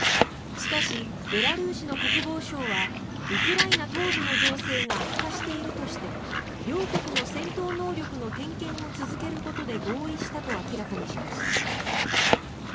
しかし、ベラルーシの国防省はウクライナ東部の情勢が悪化しているとして両国の戦闘能力の点検を続けることで合意したと明らかにしました。